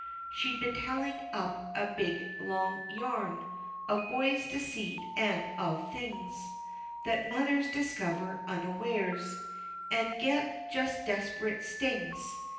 She'd been telling up a big long yarn Of boy's deceit, an' of things That mothers discover unawares An' get just desperate stings.